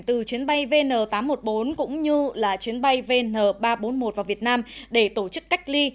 từ chuyến bay vn tám trăm một mươi bốn cũng như là chuyến bay vn ba trăm bốn mươi một vào việt nam để tổ chức cách ly